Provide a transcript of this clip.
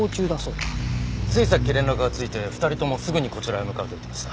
ついさっき連絡がついて２人ともすぐにこちらへ向かうと言ってました。